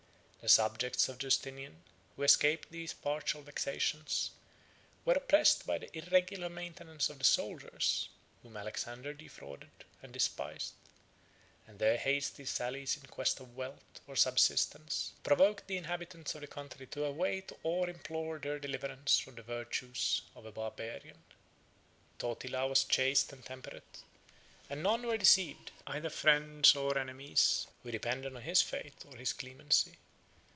The subjects of Justinian, who escaped these partial vexations, were oppressed by the irregular maintenance of the soldiers, whom Alexander defrauded and despised; and their hasty sallies in quest of wealth, or subsistence, provoked the inhabitants of the country to await or implore their deliverance from the virtues of a Barbarian. Totila 10 was chaste and temperate; and none were deceived, either friends or enemies, who depended on his faith or his clemency.